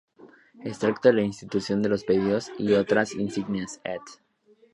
Extracto de la "Institución de los pedidos y otras insignias", ed.